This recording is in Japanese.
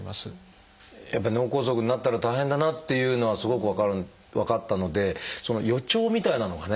やっぱり脳梗塞になったら大変だなっていうのはすごく分かったのでその予兆みたいなのがね